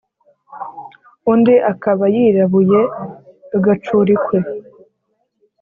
Undi akaba yirabuye agacurikwe